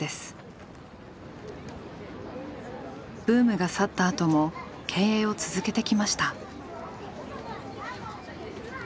ブームが去った後も経営を続けてきました。